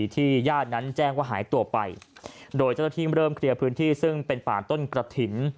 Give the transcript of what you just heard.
ที่ญาตินั้นแจ้งว่าหายตัวไปโดยเจ้าหน้าที่เริ่มเคลียร์พื้นที่ซึ่งเป็นป่านต้นกระถิ่น